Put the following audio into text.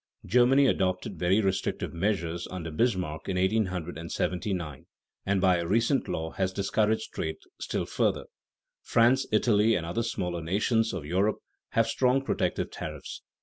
Germany adopted very restrictive measures under Bismarck in 1879 and by a recent law has discouraged trade still further. France, Italy, and other smaller nations of Europe have strong protective tariffs.